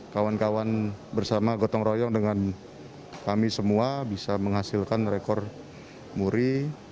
kawan kawan bersama gotong royong dengan kami semua bisa menghasilkan rekor muri